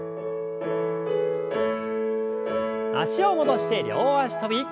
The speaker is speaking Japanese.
脚を戻して両脚跳び。